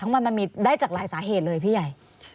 ทั้งวันมันมีได้จากหลายสาเหตุเลยพี่ไย